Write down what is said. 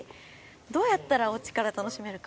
どうやったらおうちから楽しめるか。